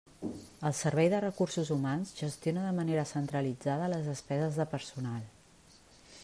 El Servei de Recursos Humans gestiona de manera centralitzada les despeses de personal.